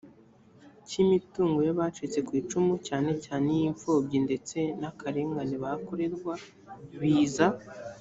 cy imitungo y abacitse ku icumu cyane cyane iy imfubyi ndetse n akarengane bakorerwa biza ku